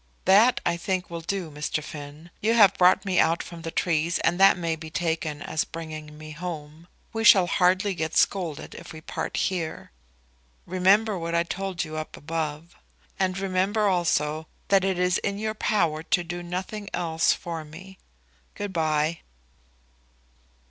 That I think will do, Mr. Finn. You have brought me out from the trees, and that may be taken as bringing me home. We shall hardly get scolded if we part here. Remember what I told you up above. And remember also that it is in your power to do nothing else for me. Good bye."